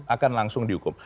akan langsung dihukum